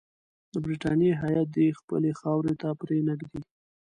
د برټانیې هیات دي خپلو خاورې ته پرې نه ږدي.